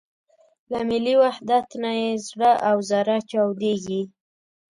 له ملي وحدت نه یې زړه او زره چاودېږي.